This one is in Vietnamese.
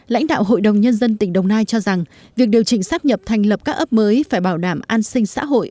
lãnh đạo hội đồng nhân dân tỉnh đồng nai cho rằng việc điều chỉnh sắp nhập thành lập các ấp mới phải bảo đảm an sinh xã hội